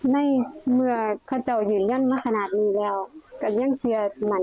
ไม่เมื่อเขาคนเรามาขนาดนี้แล้วกัดยังเสียหวั่น